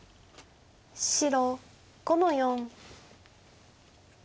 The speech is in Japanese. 白５の四。